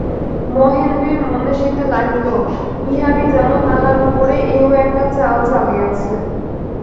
মহেন্দ্রের মনে হইতে লাগিল, বিহারী যেন তাহার উপরে এও একটা চাল চালিয়াছে।